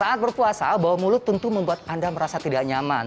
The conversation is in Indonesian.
saat berpuasa bau mulut tentu membuat anda merasa tidak nyaman